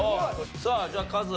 さあじゃあカズ。